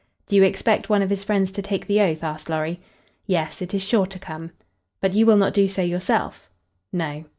"Do you expect one of his friends to take the oath?" asked Lorry. "Yes; it is sure to come." "But you will not do so yourself?" "No."